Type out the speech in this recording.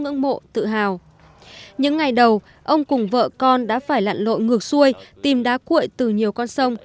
ngưỡng mộ tự hào những ngày đầu ông cùng vợ con đã phải lặn lộ ngược xuôi tìm đá cuội từ nhiều con sông